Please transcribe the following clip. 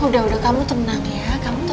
udah udah kamu tenang ya kamu